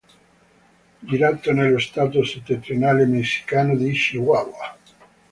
Girato nello stato settentrionale messicano di Chihuahua.